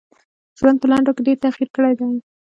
ژوند په لنډو کي ډېر تغیر کړی دی .